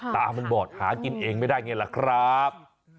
ตามันบอดหากินเองไม่ได้ไงล่ะครับ